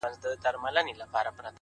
هوډ د ستونزو تر شا هدف ویني؛